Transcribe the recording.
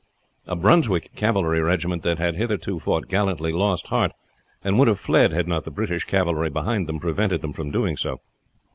A Brunswick cavalry regiment that had hitherto fought gallantly lost heart and would have fled had not the British cavalry behind them prevented them from doing so.